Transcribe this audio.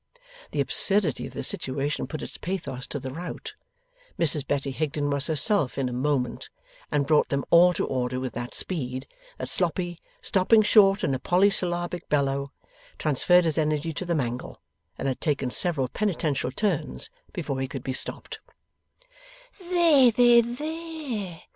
The absurdity of the situation put its pathos to the rout. Mrs Betty Higden was herself in a moment, and brought them all to order with that speed, that Sloppy, stopping short in a polysyllabic bellow, transferred his energy to the mangle, and had taken several penitential turns before he could be stopped. 'There, there, there!